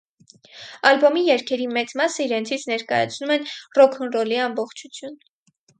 Ալբոմի երգերի մեծ մասը իրենցից ներկայացնում են ռոքնռոլի ամբողջություն։